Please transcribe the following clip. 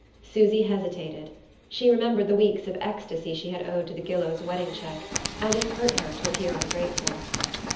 Susy hesitated: she remembered the weeks of ecstasy she had owed to the Gillows' wedding cheque, and it hurt her to appear ungrateful.